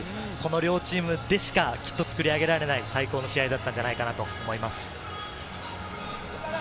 両チームでしか作り上げられない最高の試合だったんじゃないかなと思います。